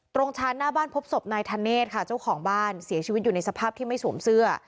ชานหน้าบ้านพบศพนายธเนธค่ะเจ้าของบ้านเสียชีวิตอยู่ในสภาพที่ไม่สวมเสื้อ